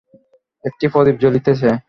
একটি প্রদীপ জ্বলিতেছে।